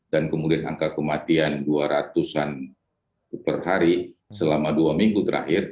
dan kemudian angka kematian dua ratus an per hari selama dua minggu terakhir